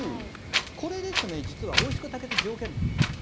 これ、実はおいしく炊けている条件なんです。